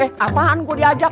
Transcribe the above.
eh apaan gue diajak